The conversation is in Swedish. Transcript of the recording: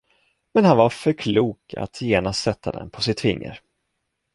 Men han var för klok att genast sätta den på sitt finger.